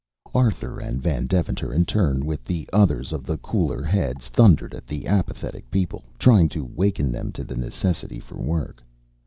Arthur and Van Deventer, in turn with the others of the cooler heads, thundered at the apathetic people, trying to waken them to the necessity for work.